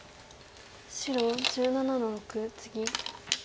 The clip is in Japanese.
白１７の六ツギ。